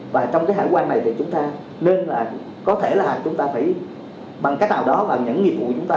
và trong cái hải quan này thì chúng ta nên là có thể là chúng ta phải bằng cái nào đó vào những nghiệp vụ của chúng ta